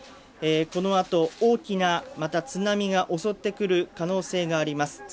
この後、大きなまた津波が襲ってくる可能性があります。